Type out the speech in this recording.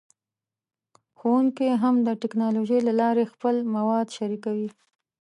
ښوونکي هم د ټیکنالوژۍ له لارې خپل مواد شریکوي.